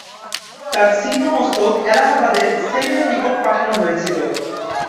তার ছিন্ন মস্তক এলাহাবাদে সেলিমের নিকট পাঠানো হয়েছিল।